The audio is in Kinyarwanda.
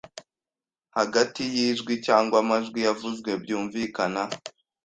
Hagati yijwi cyangwa amajwi yavuzwe byumvikana